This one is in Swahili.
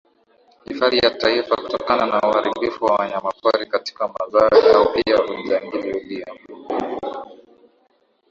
Hifadhi ya Taifa kutokana na uharibifu wa wanyamapori katika mazao yao pia ujangili ulio